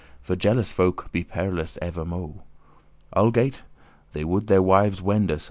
For jealous folk be per'lous evermo': Algate* they would their wives *wende so*.